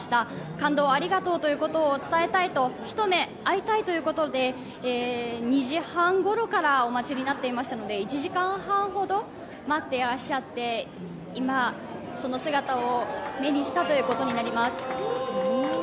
感動ありがとうということを伝えたいと、一目会いたいということで２時半ごろからお待ちになっていましたので１時間半ほど待っていらっしゃって、今、その姿を目にしたということになります。